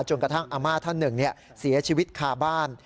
กระทั่งอาม่าท่านหนึ่งเสียชีวิตคาบ้าน